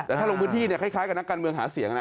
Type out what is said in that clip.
แต่ถ้าลงพื้นที่คล้ายกับนักการเมืองหาเสียงนะ